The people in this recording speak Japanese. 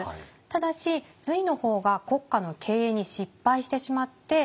ただし隋の方が国家の経営に失敗してしまって。